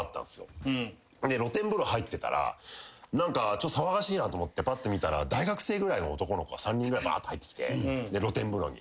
露天風呂入ってたら何か騒がしいなと思ってぱって見たら大学生ぐらいの男の子が３人ぐらいばーっと入ってきて露天風呂に。